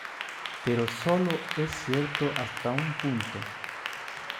Pero sólo es cierto hasta un punto.